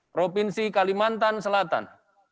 provinsi kalimantan selatan